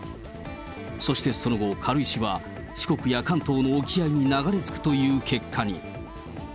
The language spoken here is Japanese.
そしてその後、軽石は四国や関東の沖合に流れ着くという結果に。